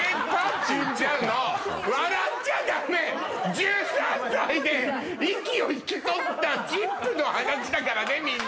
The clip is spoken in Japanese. １３歳で息を引き取ったチッポの話だからねみんな！